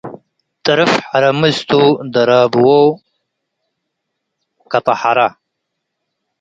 ጥርፍ ሐረምዝቱ - ደራበዎ ከጠሐራ